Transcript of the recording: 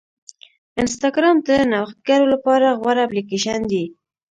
انسټاګرام د نوښتګرو لپاره غوره اپلیکیشن دی.